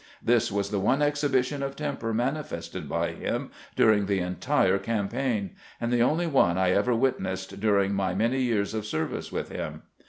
This was the one exhibition of temper manifested by him during the entire campaign, and the only one I ever witnessed during my many years of service with him.